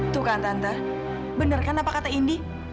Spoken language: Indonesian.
tuh kan tante bener kan apa kata indy